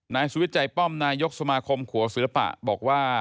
นายสุวิทย์ใจป้อมนายกสมาคมขัวศิลปะบอกว่า